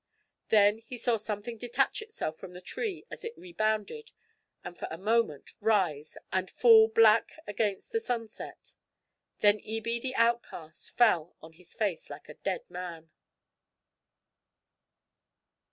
Then he saw something detach itself from the tree as it rebounded, and for a moment rise and fall black against the sunset. Then Ebie the Outcast fell on his face like a dead man.